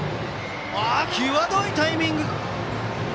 際どいタイミングでした。